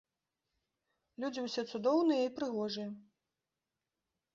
Людзі ўсе цудоўныя і прыгожыя.